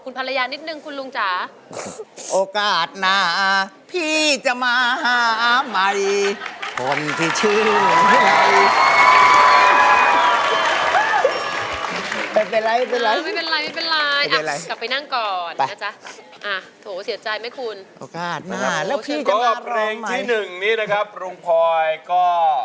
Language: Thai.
นี่นะครับลุงพอยก็